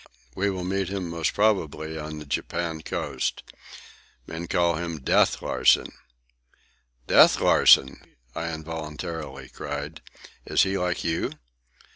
"We will meet him most probably on the Japan coast. Men call him 'Death' Larsen." "Death Larsen!" I involuntarily cried. "Is he like you?"